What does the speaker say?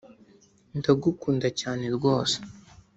ndagukunda cyane rwose